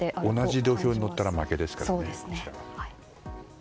同じ土俵に乗ったら負けですからね。